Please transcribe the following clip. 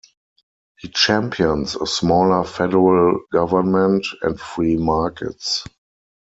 He champions a smaller federal government and free markets.